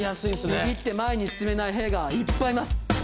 ビビって前に進めない兵がいっぱいいます。